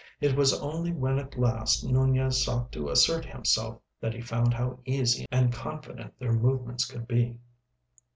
It was only when at last Nunez sought to assert himself that he found how easy and confident their movements could be.